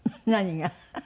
何が？